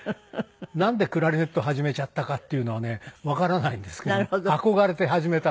なんでクラリネット始めちゃったかっていうのはねわからないんですけど憧れて始めたんですよね。